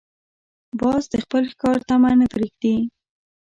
باز د خپل ښکار طمع نه پرېږدي